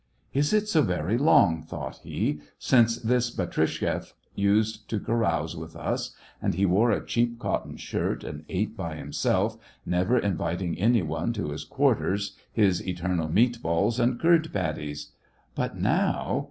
Is it so very long," thought he, "since this Batrishtcheff used to carouse with us, and he wore a cheap cotton shirt, and ate by himself, never inviting any one to his quarters, his eternal meat balls and curd patties .^ But now!